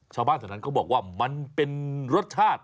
ชาวบ้านแถวนั้นเขาบอกว่ามันเป็นรสชาติ